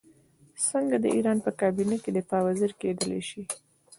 څنګه د ایران په کابینه کې د دفاع وزیر کېدلای شي.